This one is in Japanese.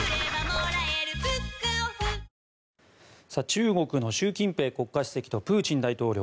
中国の習近平国家主席とプーチン大統領